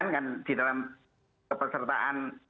kan di dalam persertaan